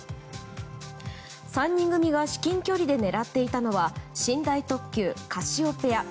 ３人組が至近距離で狙っていたのは寝台特急「カシオペア」。